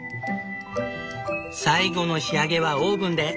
最後の仕上げはオーブンで。